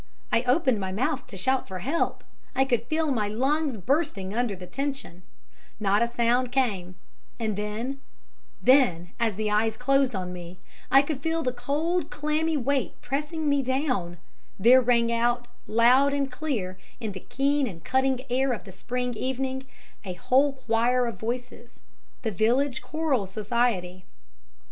I opened my mouth to shout for help, I could feel my lungs bursting under the tension; not a sound came; and then then, as the eyes closed on me, and I could feel the cold, clammy weight pressing me down, there rang out, loud and clear, in the keen and cutting air of the spring evening, a whole choir of voices the village choral society.